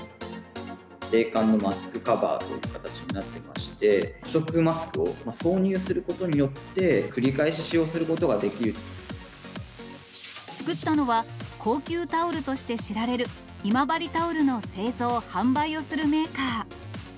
冷感のマスクカバーという形になってまして、不織布マスクを挿入することによって、作ったのは、高級タオルとして知られる、今治タオルの製造・販売をするメーカー。